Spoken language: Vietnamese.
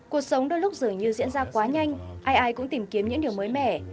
cuộc sống đôi lúc dường như diễn ra quá nhanh ai ai cũng tìm kiếm những điều mới mẻ